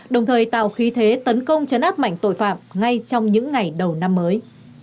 đồng thời tạo khí thế tấn công chấn áp mạnh tội phạm ngay trong những ngày đầu năm mới